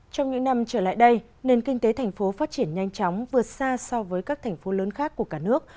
trong những năm trở lại đây nền kinh tế thành phố phát triển nhanh chóng vượt xa so với các thành phố lớn khác của cả nước